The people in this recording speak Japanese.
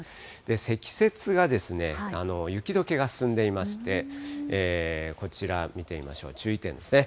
積雪が雪どけが進んでいまして、こちら見てみましょう、注意点ですね。